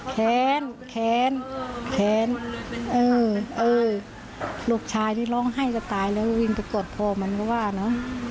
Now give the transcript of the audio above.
แค้นแค้นแค้นเออเออลูกชายนี่ร้องไห้จะตายแล้ววิ่งไปกดคอมันก็ว่าเนอะ